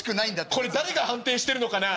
これ誰が判定してるのかな？